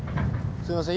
すみません